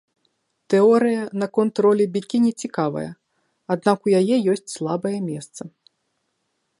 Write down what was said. Тэорыя наконт ролі бікіні цікавая, аднак у яе ёсць слабае месца.